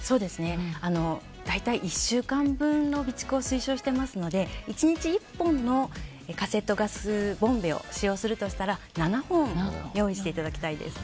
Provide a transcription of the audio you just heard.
大体１週間分の備蓄を推奨していますので１日、１本のカセットガスボンベを使用するとしたら７本用意していただきたいです。